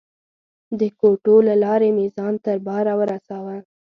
د کوټو له لارې مې ځان تر باره ورساوه.